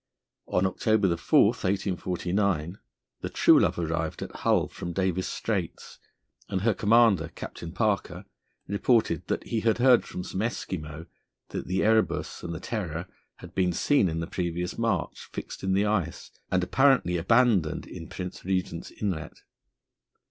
On October 4, 1849, the Truelove arrived at Hull from Davis Straits, and her commander, Captain Parker, reported that he had heard from some Eskimo that the Erebus and the Terror had been seen in the previous March fixed in the ice, and apparently abandoned in Prince Regent's Inlet.